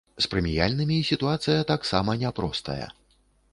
З прэміяльнымі сітуацыя таксама няпростая.